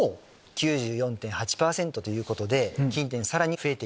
９４．８％ということで近年さらに増えている。